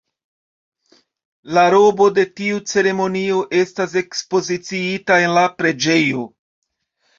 La robo de tiu ceremonio estas ekspoziciita en la preĝejo.